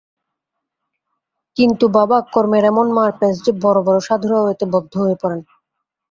কিন্তু বাবা, কর্মের এমন মারপ্যাঁচ যে বড় বড় সাধুরাও এতে বদ্ধ হয়ে পড়েন।